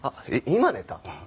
今寝た？